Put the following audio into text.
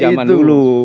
di zaman dulu